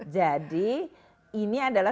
jadi kita bisa